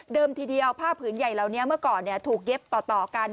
ทีเดียวผ้าผืนใหญ่เหล่านี้เมื่อก่อนถูกเย็บต่อกัน